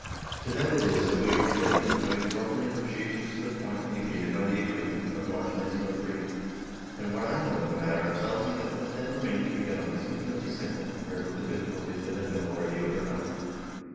To them it is that we are indebted for having brought the negotiations to the point indicated by the agree ment (of March, 1903). And what I know of the matter tells me that what then remained to be done was infinitely simple compared with the difficulties that have been already overcome."